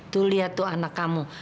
tuh lihat tuh anak kamu